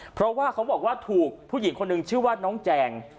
เพราะว่าเขาบอกว่าถูกผู้หญิงคนหนึ่งชื่อว่าน้องแจง